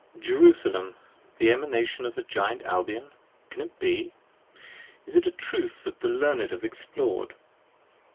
JERUSALEM the Emanation of the Giant Albion! Can it be? Is it a Truth that the Learned have explored?